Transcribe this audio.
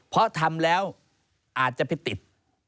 เพราะทำแล้วอาจจะไปติด